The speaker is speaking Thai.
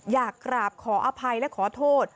อยากกราบขออภัยและขอโทษ